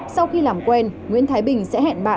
sau khi làm quen nguyễn thái bình sẽ hẹn bạn